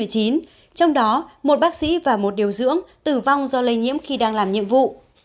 trong đó một bác sĩ và một điều dưỡng tử vong do lây nhiễm khi đang làm nhiệm vụ